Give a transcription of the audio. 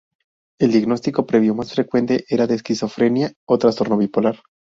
El diagnóstico previo más frecuente era de esquizofrenia o trastorno bipolar.